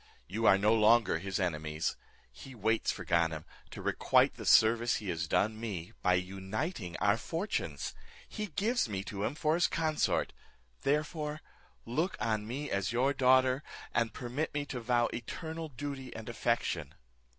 You are no longer his enemies. He waits for Ganem, to requite the service he has done me, by uniting our fortunes; he gives me to him for his consort, therefore look on me as your daughter, and permit me to vow eternal duty and affection."